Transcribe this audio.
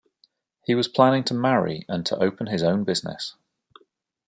He was planning to marry, and to open his own business.